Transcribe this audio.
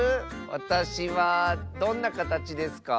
わたしはどんなかたちですか？